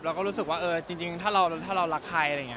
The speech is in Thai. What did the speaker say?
เราก็รู้สึกว่าเออจริงถ้าเรารักใครอะไรอย่างนี้